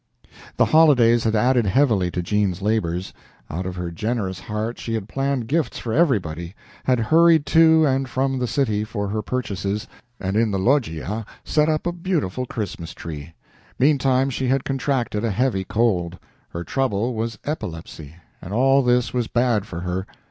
The holidays had added heavily to Jean's labors. Out of her generous heart she had planned gifts for everybody had hurried to and from the city for her purchases, and in the loggia set up a beautiful Christmas tree. Meantime she had contracted a heavy cold. Her trouble was epilepsy, and all this was bad for her.